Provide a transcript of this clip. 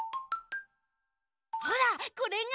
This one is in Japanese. ほらこれが。